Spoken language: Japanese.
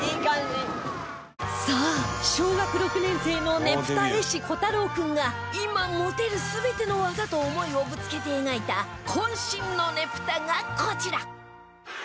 さあ小学６年生のねぷた絵師虎太朗君が今持てる全ての技と思いをぶつけて描いた渾身のねぷたがこちら